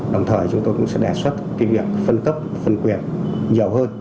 đồng thời chúng tôi cũng sẽ đề xuất cái việc phân cấp phân quyền nhiều hơn